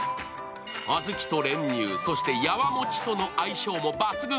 小豆と練乳、そしてやわもちとの相性も抜群。